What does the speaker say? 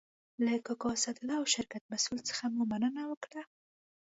له کاکا اسدالله او شرکت مسئول څخه مو مننه وکړه.